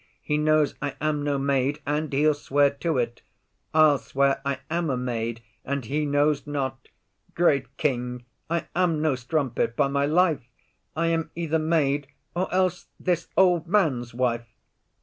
He knows I am no maid, and he'll swear to't: I'll swear I am a maid, and he knows not. Great King, I am no strumpet, by my life; I am either maid, or else this old man's wife.